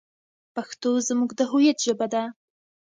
پښتو زموږ د هویت ژبه ده.